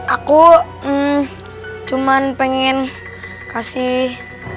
aku hmm cuman pengen kasih